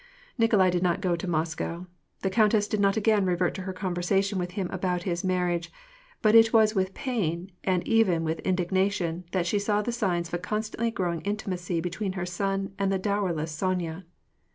Nikolai did not go to Moscow. The countess did not again revert to her conversation with him about his marriage ; but it was with pain, and even with indignation, that she saw the signs of a constantly growing intimacy between her son and the dowerless Sonya.